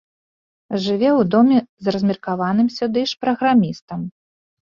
Жыве ў доме з размеркаваным сюды ж праграмістам.